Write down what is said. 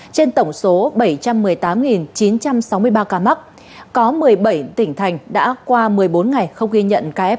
trên tổng số bảy trăm một mươi tám chín trăm sáu mươi ba ca mắc có một mươi bảy tỉnh thành đã qua một mươi bốn ngày không ghi nhận caf